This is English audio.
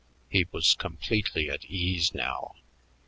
He was completely at ease now.